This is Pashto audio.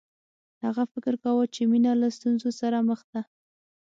هغه فکر کاوه چې مینه له ستونزو سره مخ ده